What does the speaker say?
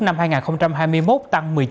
năm hai nghìn hai mươi một tăng một mươi chín